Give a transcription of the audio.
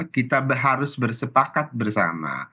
kita harus bersepakat bersama